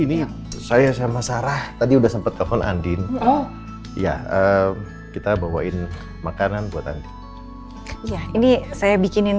ini saya sama sarah tadi udah sempet telepon andin oh ya kita bawain makanan buatan ini saya bikinin